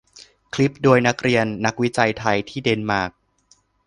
คลิปโดยนักเรียนนักวิจัยไทยที่เดนมาร์ก